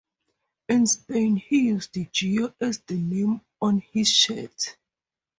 In Spain, he used "Gio" as the name on his shirt.